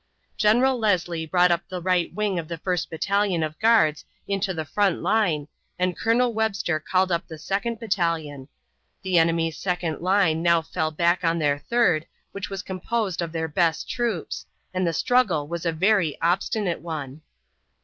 General Leslie brought up the right wing of the first battalion of guards into the front line and Colonel Webster called up the second battalion. The enemy's second line now fell back on their third, which was composed of their best troops, and the struggle was a very obstinate one.